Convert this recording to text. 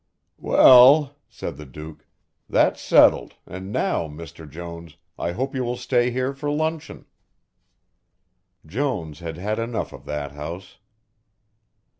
"Well," said the Duke, "that's settled and now, Mr. Jones, I hope you will stay here for luncheon." Jones had had enough of that house.